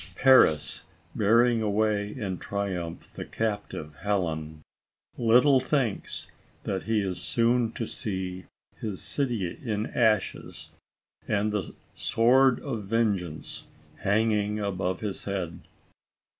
Paris, bearing away in triumph the captive Helen, little thinks that he is soon to see his city in ashes, and the ALICE ; OR, THE WAGES OF SIN. 31 sword of vengeance hanging above his head.